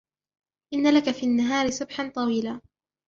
إِنَّ لَكَ فِي النَّهَارِ سَبْحًا طَوِيلًا